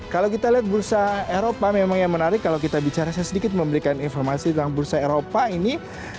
kalau kita lihat bursa eropa memang yang menarik kalau kita bicara saya sedikit memberikan informasi tentang bursa eropa ini